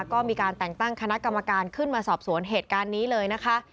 ก็มีการแต่งตั้งคณะกรรมการขึ้นมาสอบสวนเหตุการณ์นี้เลยนะคะ